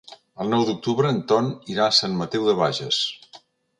El nou d'octubre en Ton irà a Sant Mateu de Bages.